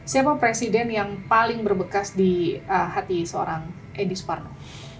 siapa presiden yang paling berbekas di hati seorang edi suparno